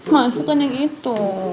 mas bukan yang itu